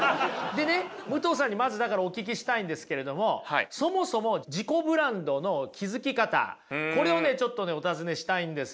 でね武藤さんにまずお聞きしたいんですけれどもそもそも自己ブランドの築き方これをちょっとお尋ねしたいんですよ。